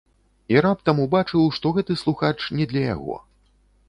І раптам убачыў, што гэты слухач не для яго.